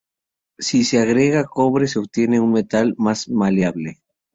Si se agrega cobre se obtiene un metal más maleable.